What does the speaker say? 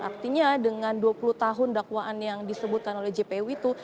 artinya dengan dua puluh tahun dakwaan yang disebutkan oleh jpu itu